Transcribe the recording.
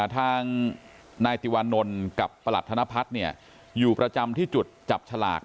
ทางนายติวานนท์กับประหลัดธนพัฒน์อยู่ประจำที่จุดจับฉลาก